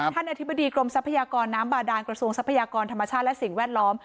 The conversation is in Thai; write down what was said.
อธิบดีกรมทรัพยากรน้ำบาดานกระทรวงทรัพยากรธรรมชาติและสิ่งแวดล้อม